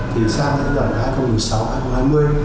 thì sang năm hai nghìn một mươi sáu hai nghìn hai mươi